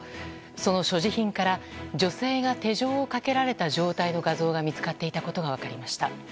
その所持品から、女性が手錠をかけられた状態の画像が見つかっていたことが分かりました。